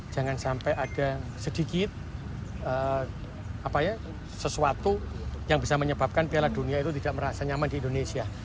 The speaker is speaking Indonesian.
jangan sampai ada sedikit sesuatu yang bisa menyebabkan piala dunia itu tidak merasa nyaman di indonesia